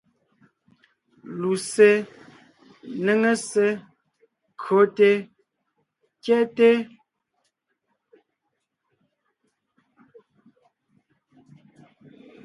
Lussé, néŋe ssé, kÿote, kyɛ́te.